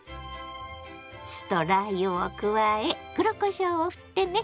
酢とラー油を加え黒こしょうをふってね！